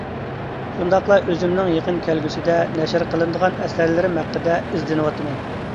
شۇنداقلا ئۆزۈمنىڭ يېقىن كەلگۈسىدە نەشر قىلىنىدىغان ئەسەرلىرىم ھەققىدە ئىزدىنىۋاتىمەن.